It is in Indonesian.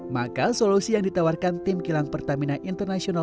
maka solusi yang ditawarkan tim kilang pertamina international